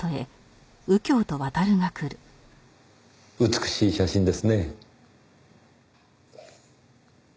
美しい写真ですね。